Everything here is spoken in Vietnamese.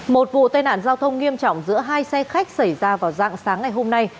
một vụ tai nạn giao thông nghiêm trọng giữa hai xe khách xảy ra vào dạng sáng ngày hôm nay